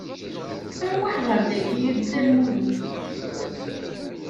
Rwaḥ ɣer dayi a Dda Lmulud!